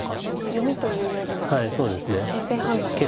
読みというよりは形勢判断も大事と。